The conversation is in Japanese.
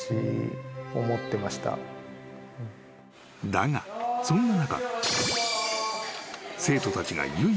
［だがそんな中］